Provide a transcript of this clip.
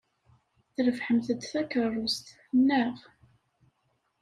Trebḥemt-d takeṛṛust, naɣ?